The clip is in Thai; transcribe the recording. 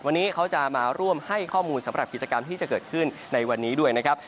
วันนี้เขาจะมาร่วมให้ข้อมูลสำหรับกิจกรรมที่จะเกิดขึ้นในวันนี้ด้วยนะครับ